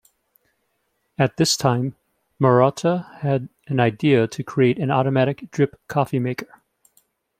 At this time, Marotta had an idea to create an automatic drip coffee maker.